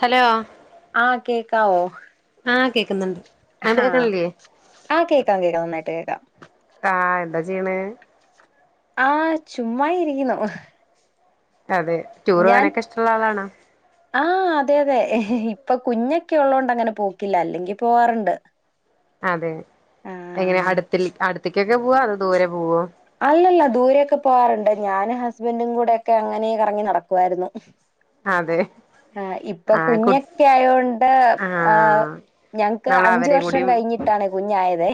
Hello ആ കേക്കാവോ ആ കേൾക്കുന്നുണ്ട് ആ ആ കേക്കാം കേക്കാം നന്നായിട്ട് കേക്കാം ആഹ് എന്താ ചെയ്യണേ ആ ചുമ്മാ ഇരിക്കുന്നു അതെ ടൂർ ഞാൻ പോകാനൊക്കെ ഇഷ്ടമുള്ള ആളാണോ ആ അതെ അതെ ഇപ്പൊ കുഞ്ഞെ ക്ക ഉള്ളതോണ്ട് അങ്ങനെ പോക്കില്ല അല്ലെങ്കിൽ പോവാറുണ്ട് അതെ എങ്ങനെ ആഹ് അടുത്തി അടു ഒറ്റക്കൊക്കെ പോവാ അത് ദൂരെ പോവോ അല്ലല്ല ദൂരെെയൊക്കെ പോകാറുണ്ട് ഞാനും ഹസ്ബൻറും കൂടെൊക്കെ അങ്ങനെ കറങ്ങി നടക്കുവായിരുന്നു അതെ ആ ഇപ്പൊ ആഹ് കു കുഞ്ഞൊക്കെ ആയോണ്ട് ആഹ് ഞങ്ങക്ക് നമ്മള് അഞ്ച് അവരേം വർഷം കൂടിയും കഴിഞ്ഞിട്ടിണ് കുഞ്ഞയതേ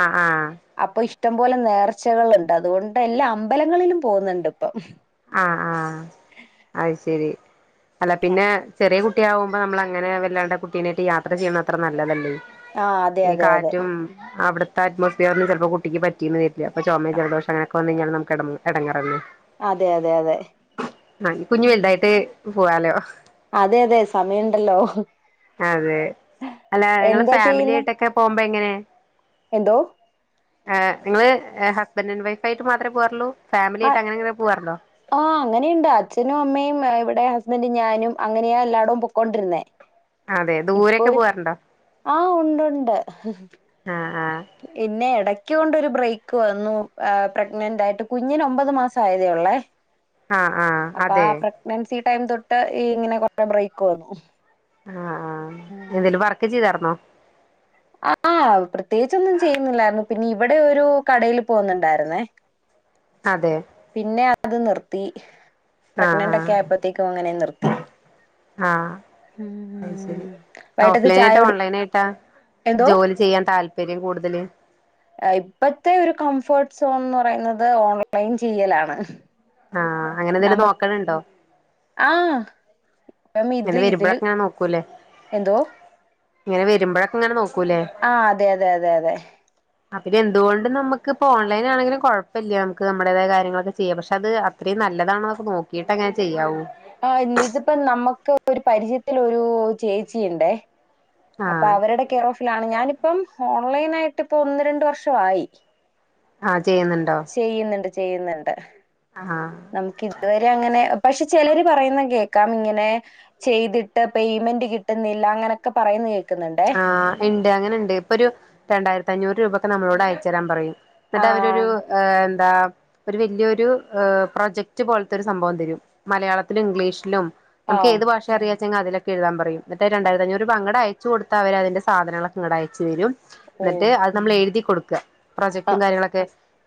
ആഹ് ആഹ് അപ്പ ഇഷ് ടംപോലെ നേർച്ചകളുണ്ട് അതുകൊണ്ട് എല്ലാ അമ്പലങ്ങളിലും പോകുന്നുണ്ട് ഇപ്പം ആആഹ് അത് ശരി അല്ല പിന്നെ ചെറിയ കുട്ടി കുട്ടിയാകുമ്പോ നമ്മൾ അങ്ങനെ വല്ലാണ്ട് കുട്ടീനായിട്ട്‌ യാത്ര ചെയ്യുന്ന അത്ര നല്ലതല്ലേ അ അതെ ഈ അതെ അതെ കാറ്റും അവിടുത്തെ അറ്റ്മോസ്ഫിയറിന് ചിലപ്പോ കുട്ടിക്ക് പറ്റീന്ന് വരി അപ്പ ചുമേ ജലദോഷ അങ്ങനെ വന്നകഴിഞ്ഞാൽ നമുക്ക് ഇ ഇടങ്ങാറല്ലേ? അതെ അതെ അതെ കുഞ്ഞു ഉം വലതായിട്ട് പോവാലോ അതെ അതെ സമയുണ്ടല്ലോ അതെ അല്ല നിങ്ങള് എന്താ ഫാമിലി ചെയ്യുന്നേ ആയിട്ടൊക്കെ പോകുമ്പോ എന്തോ ആ നിങ്ങള് ഹസ്ബൻഡറ് ആൻഡ് വൈഫ് ആയിട്ട് മാത്രമേ പോവാറുള്ളൂ ഫാമിലിയായിട്ടങ്ങനെങ്ങനെ പോവാറുണ്ടോ? ആഹ് അങ്ങനെയുണ്ട് അച്ഛനും അമ്മയും ഇവിടെ ഹസ്ബന്റും ഞാനും അങ്ങനെയ എല്ലാടും പൊക്കൊണ്ടിരുന്നേ അതെ ഇപ്പോ ദൂരൊക്കെ പോവാറുണ്ടോ ആ ഉണ്ട് ഉണ്ട് ആ ആ പിന്നെ ഇട- കൊണ്ട് ഒരു ബ്രേക്ക് വന്നു ആ പ്രഗ്നന്റ് ആയിട്ട് കുഞ്ഞന് ഒമ്പത് മാസം ആയതേ ഒള്ളെ ആ ആ അതെ ടൈം തൊട്ട് ഈ ഇങ്ങനെ കൊറെ ബ്രേക്ക് വന്നു ആ ആ എന്തേലും വർക്ക് ചെയ്താർ ന്നോ? ആഹ് പ്രത്യേകിച്ചൊന്നും ചെയ്യുന്നില്ലായിരുന്നു പിന്നെ ഇവിടെ ഒരു കടൽ പോന്നുണ്ടായിരുന്നേ അതെ പിന്നെ അത് നിർത്തി പ്രഗ്നന്റ് ഒക്കെ ആഹ് ആയപ്പോഴത്തേക്കും അങ്ങനെ നിർത്തി ആഹ് ആഹ് ഉം. അയ്ശരി വൈകിട്ടത്തെ ചായ ഓഫ്ലൈനായിട്ടാ കുടി ഓൺലൈൻ ആയിട്ടാ എന്തോ? ജോലി ചെയ്യാൻ താല്പര്യം കൂടുതല്? ഇപ്പഴത്തെ ഒരു കംഫോർട്ട് സോൺ എന്ന് പറയുന്നത് ഓൺലൈൻ ചെയ്യലാണ് ആഹ് അങ്ങനെ എന്തെങ്കിലും നമ നോക്കണുണ്ടോ? ആഹ് അപ്പം ഇത് ഇങ്ങനെ ഇതില് വരുമ്പോഴൊക്കെയാണ് നോക്കൂല്ലേ എന്തോ ഇങ്ങനെ വരുമ്പോഴൊക്കെങ്ങനെ നോ ആ അതെ അതെ അതെ അതെ അ പിന്നെ എന്തുകൊണ്ട് നമുക്കിപ്പ ഓൺലൈൻ ആണെങ്കിലും കുഴപ്പമില്ല നമുക്ക് നമ്മുടേതായ കാര്യങ്ങളൊക്കെ ചെയ്യാം പക്ഷെ അത് അത്രയും നല്ലതാണോക്കെ നോക്കിയിട്ട്ങ്ങനെ ചെയ്യാവൂ ആഹ് ഇതിപ്പ നമ്മുക്ക് ഒരു പരിചയത്തില ഒരു ചേച്ചി ഇണ്ടേ അപ്പൊ ആഹ് അവരുടെ കെയറോഫിലാണ് ഞാനിപ്പം എ ഓൺലൈൻ ആയിട്ട് ഇപ്പ ഒന്ന് രണ്ട് വർഷമായി ആ ചെയ്യുന്നുണ്ടോ? ചെയ്യുന്നുണ്ട് ആഹ് നമുക്ക് ഇതുവരെ അങ്ങനെ പക്ഷെ ചിലര് പറയുന്ന കേൾക്കാം ഇങ്ങനെ ചെയ്തിട്ട് പേയ്മെന്റ് കിട്ടുന്നില്ല അങ്ങനെക്കെ പറയുന്നത് കേൾക്കാം ആഹ് ഇണ്ട് അങ്ങനെണ്ട് ഇപ്പൊ ഒരു രണ്ടായിരത്തി അഞ്ഞൂറ് രൂപ ഒക്കെ നമ്മളോട് അയച്ചരാൻ പറയും എന്നിട്ട് അവരൊരു ആഹ് ങ് എന്താ ഒര് വല്യൊരു ഏ പ്രൊജക്ട് പോൽത്താെര് സംഭവം തരും മലയാളത്ത്ല് ഇംഗ്ലീഷ്ലും നമ്ക്ക് ആഹ് ഏത് ഭാഷെ അറിയാ ചെങ്ങാ അതിലെക്കെ എഴ്താം പറയും ന്നട്ടത് രണ്ടായ്ത്തഞ്ഞൂറ് രൂപ അങ്ങടയ് ച്ച് കൊട്ത്ത അവരതിന്റെ സാധനങ്ങളൊക്കെങ്ങടയച്ച് തെരും ന്ന്ട്ട് ഓഹ് അത് നമ്മളെഴ്തി കൊടു ക്ക പ്രൊജക്ടും ആഹ് കാര്യങ്ങളൊക്കെ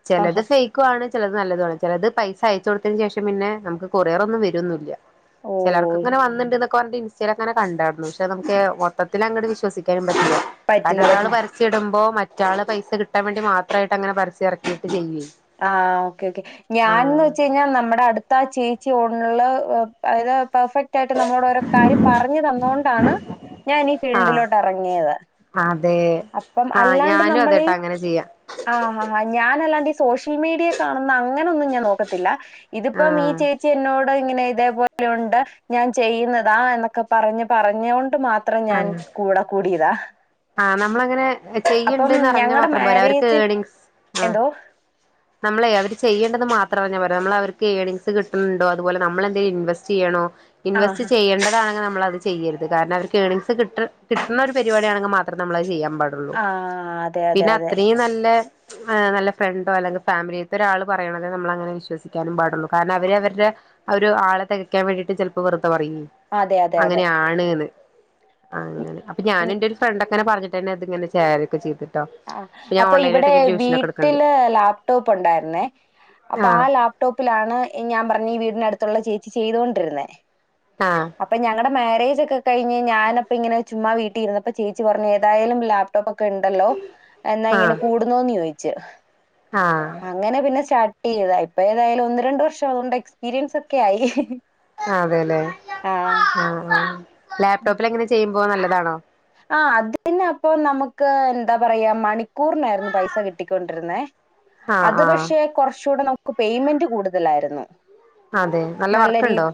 ചിലത് ആഹാ ഫെയ്ക്കാണ് ചിലത് നല്ലതാണ് ചിലത് പൈസ അയച്ച് കൊടുത്തതിന് ശേഷം പിന്നെ നമക്ക് കൊറിയറൊന്നും വരൊന്നുംല്ല ഓഹ് ചിലർക്കങ്ങനെ വന്നിണ്ട് ന്നൊ ഇൻസ്റ്റഗങ്ങനെ കണ്ടായിടു പക്ഷെ നുക്ക് [unintelligible] തിലങ്ങട് വിശ്വസിക്കാനും കാരണം പറ്റില്ല ങ്ങള് പറ്റില്ല പരസ്യട്മ്പോ മ റ്റാളെ പൈസ കിട്ടാൻ വേണ്ടി മാത്രായ്ട്ടങ്ങനെ പരസ്യം എറക്കീട്ടില്ലെങ്കി ആഹ് ഓക്കെ ഓക്കെ ഞാൻന്ന് വെച്ചയ്ഞ്ഞാ നമ്മടെ അട്ത്താ ചേ ച്ചി ഉള്ള് പ്പയ്‌ലാ പെർഫെക്റ്റായ്ട്ട് നമ്മളോടോരോ കാര്യം പറഞ്ഞ് തന്നാേണ്ടാണ് ഞാനീ ആഹ് ഫീൽഡ്ലോട്ടെറങ്ങിയത് അതെ അപ്പം ആഹ് അല്ലാണ്ട് ഞാനും നമ്മളീ അതെട്ടാ അങ്ങനെ ചെയ്യാ ആഹ് ആഹ് ഞാനല്ലാണ്ടി സോഷ്യൽ മീഡിയെ കാണ്ന്ന അങ്ങനൊന്നും ഞാൻ നോക്കത്തില്ലാ ഇത്പ്പം ഈ ആഹ് ചേച്ചി എന്നോ ഇങ്ങനെ ഇതേപോലെ ഒണ്ട് ഞാൻ ചെയ്യ്ന്നതാ എന്നൊക്കെ പറഞ്ഞ് പറഞ്ഞാേ ണ്ട് മാത്രം ഞാൻ ആഹ് കൂടെ കൂടീതാ ആഹ് നമ്മളങ്ങനെ ചെയ്യണ്ടന്ന്റിഞ്ഞ മാത്രം പോരാ അവർക്ക് മാരേജ് ഏണിങ്‌സ് ആഹ് എന്തോ നമ്മളെ അ ഇത് ചെയ്യേണ്ടെന്ന് മാത്രം അറിഞ്ഞ പോര നമ്മള് അവർക്ക് ഏണിങ്സ് കിട്ടുന്നുണ്ടോ അത് പോലെ നമ്മൾ എന്തെലും ഇൻവെസ്റ്റ് ചെയ്യണോ? ആ ഇൻവെസ്റ്റ് ഹാ. ചെയ്യേണ്ടതാണെ നമ്മളത് ചെയ്യരുത് കാരണം അവര് ഏണിങ്സ് കിട്ട കിട്ടുന്ന ഒരു പരിപാടിയാണെങ്കിൽ മാത്രം നമ്മളത് ചെയ്യാം. പാടുള്ളു ആ അതെ അതെ പിന്നെ അതെ അത്രയും നല്ല നല്ല ഫ്രണ്ടോ അല്ലെങ്കിൽ ഫാമിലിലത്തെ ഒരാള് പറയണ നമ്മൾ അങ്ങനെ വിശ്വസിക്കാനും പാടുള്ളൂ കാരണം അവരുടെ ആ ഒരു ആളെ തികയ്ക്കാൻ വേണ്ടിയിട്ട് ചിലപ്പോ വെറു പറ അതെ അതെ അങ്ങനെയാണ്ന്ന്. അതെ അങ്ങനെ അപ്പൊ ഞാനും എൻ്റെ ഒരു ഫ്രണ്ട്ക് അങ്ങെന പറഞ്ഞിട്ടന്നെ അതിങ്ങനെ ചാരിയെക്കെ ചെയ്ത ആ അപ്പൊ ഇവിടെ എടുക്കണ്ട് വീട്ടില് ലാപ്ടോപ്പ് ഉണ്ടായിരുന്നേ അപ്പൊ ആ ആഹ് ലാപ്ടോപ്പിലാണ് ഞാൻ പറഞ്ഞഈ വീടിനടുത്തുള്ള ചേച്ചി ച്ചി ചെയ്തൊണ്ടിരുന്നേ ആഹ് അപ്പൊ ഞങ്ങളടെ മാരേജ് ഒക്കെ ഒക്ക കഴിഞ്ഞു ഞാനപ്പ ഇങ്ങന ചുമ്മാ വീട്ടിരുന്നപ്പ ചേച്ചി പറഞ് എതായാലും ലാപ്ടോപ്പ്ക്കെ ക്കെ ഉണ്ടല്ലോ എന്നാ ഇങ്ങനെ ആഹ് കൂടുന്നോന്ന് ചോദിച്ചു ആഹ് ച അങ്ങനെ പിന്നെ സ്റ്റാർട്ട് ഏതാ ഇപ്പൊ ഏതായാലും ഒന്ന് രണ്ട് വർഷം അതൊണ്ട് എക്സ്പീരിയൻസ് ഒക്കെ ആയി ആ അതെല്ലേ ആഹ് ആ ആ ലാപ്ടോപ്പിലെങ്ങനെ ചെയ്യും ഫോൺ നല്ലതാണോ ക്ക് എന്താ പറയാ മണിക്കൂറിനായിരുന്നു പൈസ കിട്ടിക്കൊണ്ടിരുന്നേ ആഹ് അത് ആഹ് പക്ഷെ കൊറച്ചുകൂടെ നമു ക്ക് പേയ്മെന്റ് കൂടുതലായിരുന്നു അതെ നല്ല വർക്കുണ്ടോ രീത്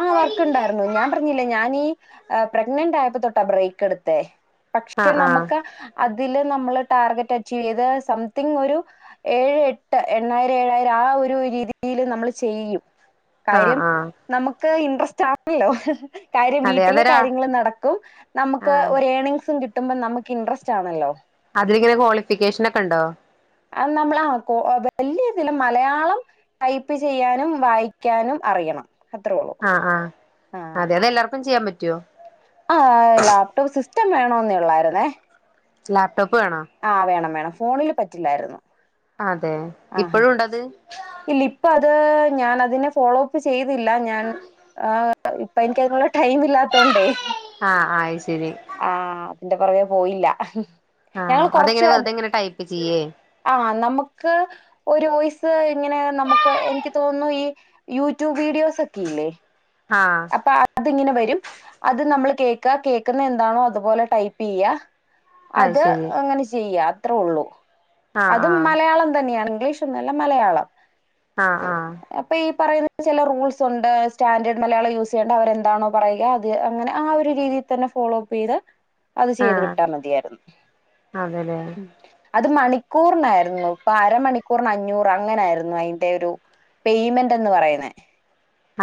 ആഹ് വർക്ക് ഉണ്ടായിരുന്നു ഞാൻ പറഞ്ഞില്ലേ ഞാനീ ഏഹ് പ്രെഗ്നെന്റ് ആയപ്പോ തൊട്ടാ ബ്രേക്ക് ക്കെടുത്തേ പക്ഷെ ആഹ് ആഹ് നമക്ക് അത് ഇതില് നമ്മള് ടാർഗറ്റ് അച്ചീവ് ചെയ്ത് സംതിങ് ഒരു ഏഴ് എട്ട് എണ്ണായിരം ഏഴായിരം ആ ഒരു രീതിയില് നമ്മൾ ചെയ്യും ആഹ് കാര്യം ആഹ് നമുക്ക് ക്ക് ഇൻട്രസ്റ്റ് ആപ്പ്ല്ലോ കാര്യം അതെ വീട്ടിലെ അതൊരാ കാര്യങ്ങളും നടക്കും നമുക്ക് ആഹ് ഒരേണിംഗ് സം കിട്ടുമ്പോ നമക്ക് ഇൻട്രെസ്റ്റ് ആണല്ലോ അതിലെ ക്വാളിഫിക്കേഷൻ ഒക്കെ ഉണ്ടോ അത് നമ്മള് ആ കോ വലിയ ഇതില്ല മലയാളം ടൈപ്പ് ചെയ്യാനും വായിക്കാനും അറിയണം അത്രേ ഉള്ളൂ. ആഹ് ആഹ് അതൊണ്ടെല്ലാർക്കും ചെയ്യാൻ പറ്റു യ്യൊ ആ ലാപ്ടോപ്പ് സിസ്റ്റം വേണോന്നെയുള്ളായിരുന്നേ ലാപ്പ് ആഹ് ഓണം വേണം ഫോണില് പറ്റ് റ്റില്ലായിരുന്നു അതെ ഇപ്പോഴുണ്ടത് ഇല്ല ഇപ്പം അത് ഞാൻതിനെ ഫോളോപ്പ് ചെയ്യു ന്നില്ല ഞാൻ ആ ഇപ്പോ എനിക്കതിനുള്ള ടൈമില്ല ത്തോണ്ടേ ആഹ് ആഹ് അയ് ശെരി അതിന്റെ പുറകെ പോയില്ല ഞങ്ങൾ കൊറച്ച് വെറുതെ ഇങ്ങനെ ടൈപ്പ് ചെയ്യേ ആഹ് നമുക്ക് ഒരു വോയിസ് ഇങ്ങനെ നമുക്ക് എനിക്ക് തോന്നുന്നു ഈ യൂട്യൂബ് വീഡിയോസ് ഒക്കെ ഇല്ലേ ആഹ് അപ്പൊ അതിങ്ങനെ വ രും അത് നമ്മൾ കേൾക്കാ കേൾക്കുന്ന എന്താണോ അതുപോലെ ടൈപ്പെയ്യാ അത് അങ്ങ്നെ ചെയ്യാ ത്ര ഉള്ളൂ ആഹ് അതും ആഹ് മലയാളം തന്ന്യാണ് ഇംഗ്ലീഷൊന്നുവല്ല മലയാളം ആഹ് ആഹ് ചെല റൂൾസ് ഒണ്ട് സ്റ്റാൻഡേ മലയാളം യൂസെയ്യണ്ട അവരെന്താണോ പറയുക അത് അങ്ങനെ ആ ഒരു രീതീൽ തന്നെ ഫോളോപ്പെയ്ത് അത് ചെയ്ത് ആഹ് വിട്ടാൽ മതിയായിരുന്നു അതെല്ലേ അത് മണിക്കൂർനായിരുന്നു ഇപ്പൊ അരമണിക്കൂറിന് അഞ്ഞൂറ് അങ്ങനാരുന്നു അയ്ന്റെ ഒരു പേയ്മെന്റ് എന്ന് പറയുന്നെ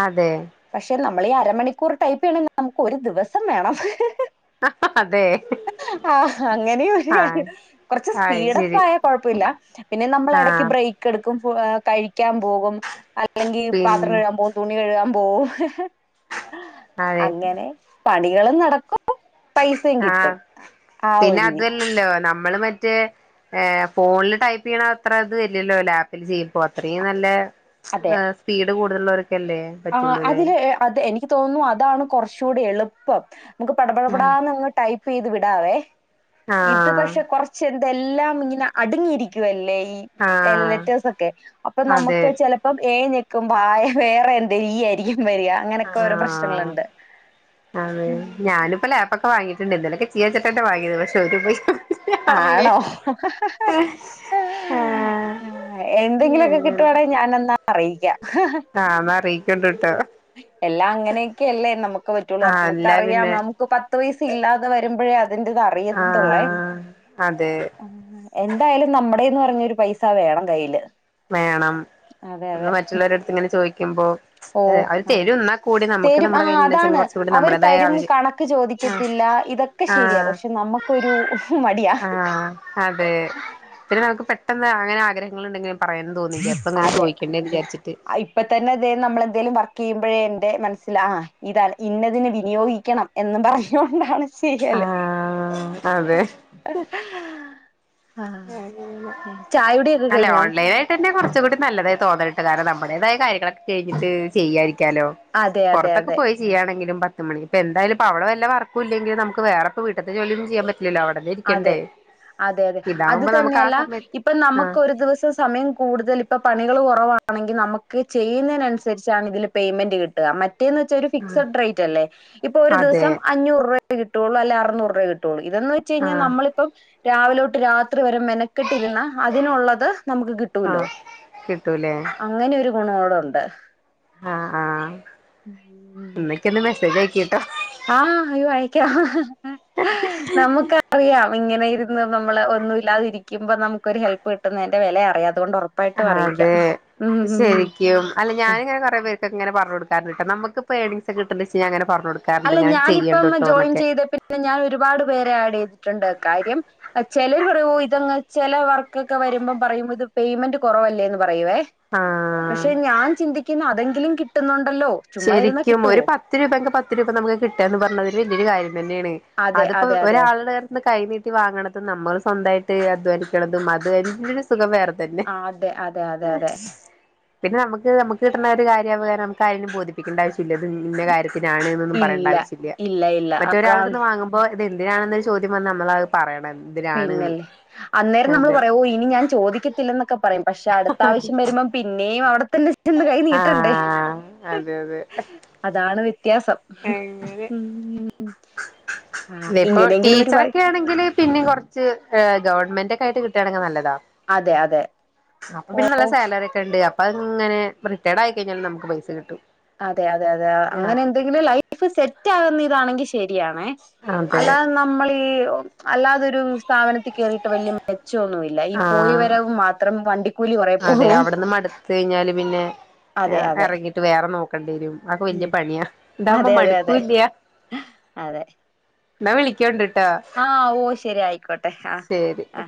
അതെ പക്ഷെ നമ്മളീ അരമണിക്കൂർ ടൈപെയ്യണെങ്കിൽ നമുക്ക് ഒരു ദിവസം വേണം അതെ ആ അങ്ങനെയു ഒരു ആഹ കാര്യം കുർച്ച് ആയി ശരി സ്പീഡപ്പായ കുഴപ്പൊയില്ല പിന്നെ നമ്മളെടക്ക് ആഹ ബ്രേക്ക് എടുക്കും കഴിക്കാൻ പോകും അല്ലെങ്കി പത്രം പിന്നെ കഴ്കാൻ പോകും തുണി കഴുകാം പോം അങ്ങനെ പണികളും നടക്കും പൈസയും കിട്ടും ആഹ് ആ ഒരു പിന്നെ രീതി അതു അല്ലല്ലോ നമ്മള് മറ്റേ ഏ ഫോണില് ടൈപ്പെയ്യ്ണ അത്ര ഇത് വരില്ലല്ലോ ലാപ്പിൽ ചെയ്യുമ്പോ അത്രയും നല്ല അതെ ആഹ് സ്പീ ട് കൂട്തല് ആ അതില് അത് എനി തോന്നു അതാണ് കൊർച്ച കൂടി എളുപ്പം നമുക്ക് പടാ പടാ പടാ ആഹ ന്നങ്ങ് ടൈ ഇപ്പൊത് വിടാവേ ഇത് പക്ഷെ കൊറച്ച് ഇതെല്ലാം ഇങ്ങനെ അടുങ്ങിയിരിക്കുവല്ലേ ആഹ ലെറ്റേർസ് ഒക്കെ അപ്പൊ അതെ നമുക്ക് ചിലപ്പോ എ ക്കും പായ വേറെ എ [unintelligible] ആഹ് അതെ ഉം ഞാനിപ്പ ല ഒക്കെ വാങ്ങിട്ടുണ്ട് ഇന്നലക്കെ [unintelligible] വാങ്ങി പക്ഷെ ഒരു പൈസ ആണോ ആഹ് എന്തെങ്കിലുമൊക്കെ കിട്ടുവാണേങ്കി ഞാനെന്ന അറിയും അങ്ങനെ ആഹ് എന്നാ അറിയിക്കണ്ട്ട്ടോ എല്ലാം അങ്ങനെയൊക്കെ അല്ലേ നമുക്ക് പറ്റുള്ളൂ ആഹ് നമുക്ക് അല്ല അറിയാം പിന്നെ നമുക്ക് പത്ത് പയസ ഇല്ലാതെ വരു [unintelligible] അതിന്റേത് അറിയത്തൊള്ളേ ആഹ് അതെ ആ എന്തായാലും ന നമ്മടേന്ന് പറഞ്ഞൊരു പൈസ വേണം കയ്യില് വേണം അതെ നമ്മള് അതെ മറ്റുള്ളവരടുത്ത് ഇങ്ങനെ ചോദിക്കുമ്പോ ഓ അവര് അതെ തരും എന്നാ കൂടി നമുക്ക് തരും ആ നമ്മുടെ കയ്യിലുണ്ടെച്ചെങ്കി അതാണ് കുറച്ചും കൂടി അവര് നമ്മുടേതായ തരും ആവശ്യം കണക്ക് ചോദിക്കത്തില്ല ആഹ് ഇതൊക്കെ ശരിയാ ആഹ് പക്ഷെ നമുക്കൊരു മടിയാ ആഹ് അതെ പിന്നെ നമുക്ക് പെട്ടെ പെട്ടെന്ന് അങ്ങനെ ആഗ്രഹങ്ങൾ ഉണ്ടെങ്കിൽ പറയ അതെ ഇപ്പ തന്നെ അതെ നമ്മൾ എന്തേലും വർക്ക് ചെയ്യുമ്പ അപ്പഴേഎന്റെ മനസ്സില് ആഹ് ഇതാണ് ഇന്നതിനെ വിനിയോഗിക്കണം എന്ന് പറഞ്ഞോണ്ടാണ് ആഹ് അതെ ആഹ് ചായുടിയൊക്കെ അല്ല കഴിഞ്ഞോ ഓൺലൈൻ ആയിട്ട് അന്നെ കുറ [unintelligible] കൂടി നല്ലത തോന്നലട്ട കാരണം നമ്മടതായ കാര്യങ്ങളൊക്കെ കഴിഞ്ഞിട്ട് ചെയ്യായിരിക്കും ക്കാലോ അതെ അതെ പുറത്തൊക്കെ അതെ പോയി ചെയ്യാണെങ്കിലും പത്ത് മണി ഇപ്പ എന്തായാലും അവടെ വല്ല വർക്കുവില്ലെങ്കിൽ നമുക്ക് വേറേ ഇപ്പ വീട്ടത്തെ ജോലി ഒന്നും ചെയ്യൻ പറ്റൂ അതെ അതെ അതെ അത് ഇതാകുമ്പോ നമുക്ക് ആ തന്നെയല്ല സമയത്ത് ഇപ്പ ആഹ് നമുക്ക് ഒരു ദിവസം സമയം കൂടുതൽ ഇപ്പ പണികൾ [unintelligible] കുറവാണെങ്കിൽ നമുക്ക് ചെയുന്നതിനനുസരിച്ചാണ് ഇതിൽ പേയ്മെന്റ് കിട്ടുക മ മറ്റേന്ന് വച്ച ഫിക്സഡ് റേറ്റ് അല്ലേ ഇപ്പൊ ഒരു അതെ ദിവസം അഞ്ഞൂറ് രൂപ കിട്ടുള്ളു അല്ലെ അറുന്നൂ രൂപേ കിട്ടുള്ളൂ ഇതോന്ന് വെച്ച് കഴിഞ്ഞാൽ ആഹ് നമ്മളിപ്പം രാവില തൊട്ട് രാത് രാത്രി വരെ മെനക്കെട്ടിരുന്ന അതിനുള്ളത് നമുക്ക് കിട്ടൂലോ ആഹ് കിട്ടൂലേ അങ്ങനെ ഒരു ഗുണോടെണ്ട്. ആഹ് ആഹ്. മെസേജ് അയി [inaudible] ആഹ് അയ്യോ ആയക്കാ. നമുക്കറിയാം ഇങ്ങനെ ഇരുന്ന് നമ്മള് ഒന്നും ഇല്ലാതിരിക്കുമ്പ നമുക്കൊരു ഹെൽപ് കിട്ടുന്നന്റെ വിലയറിയാ അഹ് അതെ ഉം ഉം. ശരിക്കും അല്ല ഞാനിങ്ങനെ കൊറെ പേ ഇങ്ങനെ പറഞ്ഞ് കൊടുക്കാറിണ്ട് നമ്മുക്കിപ്പോ ഏണിംഗ്സ് കിട്ടിണ്ട്ച്ച് ഞാൻ അ അല്ല ഞാനിപ്പം ജോയിൻ ചെയ്ത പിന്നെ ഞാൻ ഒരുപാട് പേര് ആഡ് ചെയ്തിട്ടുണ്ടായിരു കാര്യം ചിലർ പറയുമോ ഇത് ചില വർക്കൊക്കെ വരുമ്പോം പറയുമ്പോ ഇത് പേയ്മെന്റ് കുറവല്ലേന്ന്. പറയുവേ പക്ഷെ ആഹ് ഞാൻ ചിന്തിക്കിന്ന അതെങ്കി ഇതിലും കിട്ടുന്നു ശരിക്കും ഒരു പത്ത് രൂപങ്കി പത്തി രൂപ നമുക്ക് കിട്ടാന്ന് പറഞ്ഞ [unintelligible] കാര്യം ന്നെയാണ് അതെ അതിപ്പോ അതെ അതെ ഒരാൾടെ കൈനീട്ടി വാങ്ങണതും നമ്മള് സ്വന്തായിട്ട് അധ്വാനിക്കണതും അത് [unintelligible] സുഖം വേറെ തന്നെ ആഹ് അതെ അതെ അതെ അതെ പിന്നെ നമ്ക്ക് നമുക്ക് കിട്ടണ ഒരു കാര്യം വേറെ നുമുക്ക് ആരേലും ബോധി പ്പിക്കേണ്ട ആവിശ്യല്ല ഇത് ഇന്ന കാര്യത് തിനാണ്ന്നൊന്നും പറയേണ്ട ഇല്ല ആവശ്യല്ല ഇല്ല ഇല്ല മറ്റൊരാളുട്ത്ത്ന്ന് വാങ്ങുമ്പോ അതെന്തിനാണെന്ന് ഒരു ചോദ്യം വന്ന നമ്മളത് പറയണം എന്തിനാണ്ന്ന് പിന്നല്ലേ അന്നേരം നമ്മള് അതെ പറയും ഓഹ് ഇനി ഞാൻ ചോദിക്കത്തില്ല എന്നൊക്കെ പറയും പക്ഷെ അടുത്ത ആവശ്യം വരുമ്പം പിന്നെയും അവിടെത്തന്നെ ചെന്ന് കൈ നീട്ട്ണ്ടേ ആഹ് അതെ അതെ അതാ ണവി ത്യാസം അങ്ങനെ മ് ഇതിപ്പോ ഇങ്ങനെയെങ്കിലും ഒരു വഴി ച്ച് എഹ് ഗവൺമെന്റെക്കെ ആയിട്ട് കിട്ടെണങ്കിൽ നല്ലതാ അതെ അതെ അപ്പം പിന്നെ നല്ല സാലറിക്കെ ഉണ്ട് അപ്പം അങ്ങനെ റിട്ടേഡ് ആയിക്കഴിഞ്ഞാല് നമുക്ക് പൈസ കിട്ടും അതെ അതെ അതെ ആഹ് ആ അങ്ങനെ എന്തെങ്കിലും ലൈ സെൽഫ് സെറ്റ് ആകുന്ന ഇതാണെങ്കിൽ ശ് ശരിയാണേ അതെ അല്ലാതെ നമ്മളീ അല്ലാതൊരു സ്ഥാപനത്തി കേറിട്ട് വലിയ മെച് ച്ചോന്നുവില്ല ഈ പോയി ആഹ് വരവ് മാത്രം വണ്ടി അതെ അവിടുന്ന് മടുത്ത് കഴിഞ്ഞാല് പിന്നെ അതെ അതെ എറങ്ങിട്ട് വേറെ നോക്ക് ക്കണ്ടിവരും ആക്കെ വല്യ ഉം പണിയാ ഇതാകുമ്പോ അതെ അതെ അതെ മടുക്കൂല്യ എന്ന വിളിക്കാേണ്ടിട്ട് ആ ഓ ശെരി ആയിക്കോട്ടെ ആ ശരി ആ